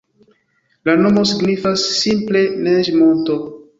La nomo signifas simple Neĝ-monto.